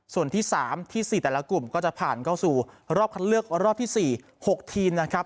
ส่วนที่๓ที่๔แต่ละกลุ่มก็จะผ่านเข้าสู่รอบคัดเลือกรอบที่๔๖ทีมนะครับ